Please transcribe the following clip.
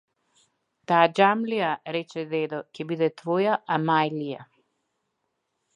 Таа џамлија, рече дедо, ќе биде твоја амајлија.